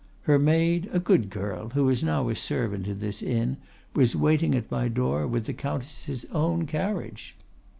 Her maid, a good girl, who is now a servant in this inn, was waiting at my door with the Countess' own carriage.